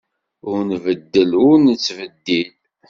Ur nbeddel, ur nettbeddil.